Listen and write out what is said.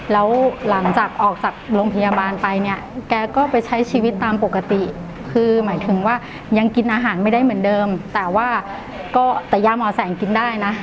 แล้วหลังจากออกจากโรงพยาบาลไปเนี่ยแกก็ไปใช้ชีวิตตามปกติคือหมายถึงว่ายังกินอาหารไม่ได้เหมือนเดิมแต่ว่าก็แต่ยาหมอแสงกินได้นะ